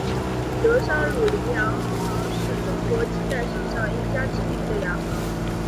德商鲁麟洋行是中国近代史上一家知名的洋行。